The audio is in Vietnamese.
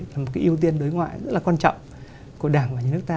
là một cái ưu tiên đối ngoại rất là quan trọng của đảng và nhà nước ta